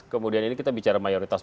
kemudian ini kita bicara mayoritas